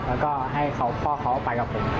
แล้วก็ให้พ่อเขาไปกับผม